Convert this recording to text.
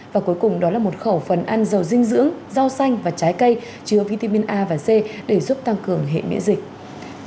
và cuối cùng đó là một khẩu phần ăn giàu dinh dưỡng rau xanh và trái cây chứa vitamin a và c để giúp tăng cường hệ miễn dịch